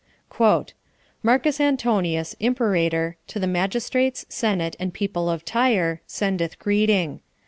"Marcus Antonius, imperator, to the magistrates, senate, and people of Tyre, sendeth greeting.